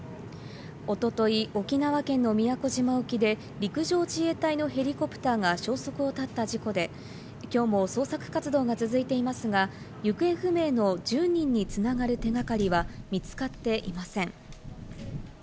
一昨日、沖縄県の宮古島沖で陸上自衛隊のヘリコプターが消息を絶った事故で今日も捜索活動が続いていますが、行方不明の１０人につながる手掛かりは見つかっていません。